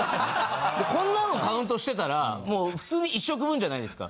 こんなのカウントしてたら普通に１食分じゃないですか。